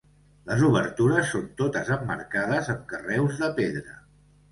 Les obertures són totes emmarcades amb carreus de pedra.